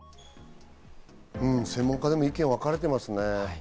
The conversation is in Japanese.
専門家でも意見はわかれてますね。